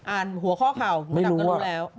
หัวข้อข่าวคุณดำก็รู้แล้ว